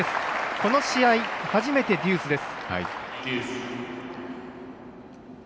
この試合、初めてデュースです。